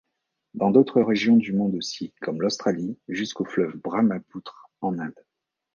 Dans d'autres régions du monde aussi comme l'Australie jusqu'au fleuve Brahmapoutre en Inde...